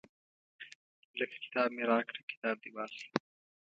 لکه کتاب مې راکړه کتاب دې واخله.